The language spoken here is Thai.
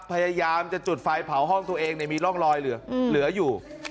พยายามจะจุดไฟเผาห้องตัวเองมีร่องรอยเหลืออยู่